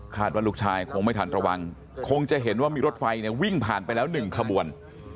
ว่าลูกชายคงไม่ทันระวังคงจะเห็นว่ามีรถไฟเนี่ยวิ่งผ่านไปแล้ว๑ขบวน